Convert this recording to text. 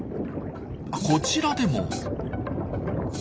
こちらでも。